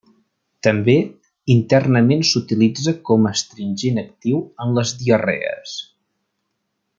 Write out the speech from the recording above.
També, internament s'utilitza com astringent actiu en les diarrees.